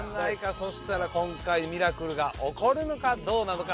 そしたら今回ミラクルが起こるのかどうなのか